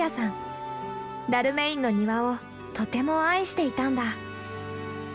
ダルメインの庭をとても愛していたんだ。